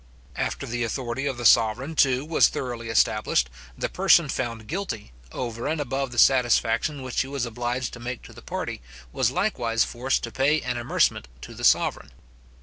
After the authority of the sovereign, too, was thoroughly established, the person found guilty, over and above the satisfaction which he was obliged to make to the party, was like wise forced to pay an amercement to the sovereign.